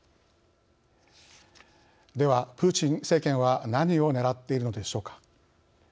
ではプーチン政権は何をねらっているのでしょうか。